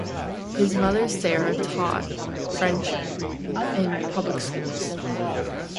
His mother Sarah taught French in public schools.